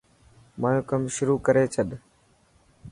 مايو ڪم شروح ڪري ڇڏ.